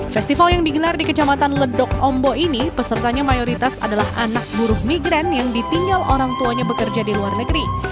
festival yang digelar di kecamatan ledok ombok ini pesertanya mayoritas adalah anak buruh migran yang ditinggal orang tuanya bekerja di luar negeri